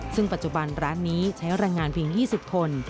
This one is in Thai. ซึ่งปัจจุบันร้านนี้ใช้แรงงานเพียง๒๐คน